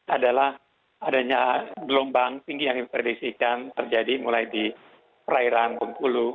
adalah adanya gelombang tinggi yang diperdisikan terjadi mulai di perairan bengkulu